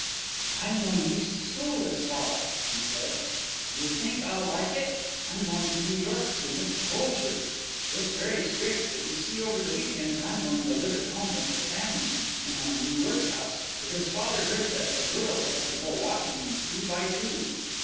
"I'm going East to school this fall," she said. "D'you think I'll like it? I'm going to New York to Miss Bulge's. It's very strict, but you see over the weekends I'm going to live at home with the family in our New York house, because father heard that the girls had to go walking two by two."